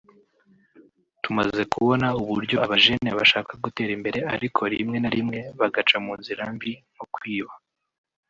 ‘’ Tumaze kubona uburyo abajene bashaka gutera imbere ariko rimwe na rimwe bagaca mu nzira mbi nko kwiba